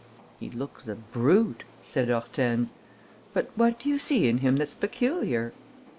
"He looks a brute," said Hortense, "but what do you see in him that's peculiar?"